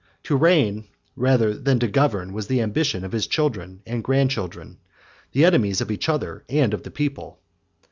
To reign, rather than to govern, was the ambition of his children and grandchildren; 70 the enemies of each other and of the people.